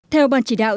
theo bàn chỉ đạo